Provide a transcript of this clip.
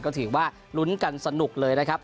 ก็ถือว่าลุ้นกันสนุกเลยนะครับ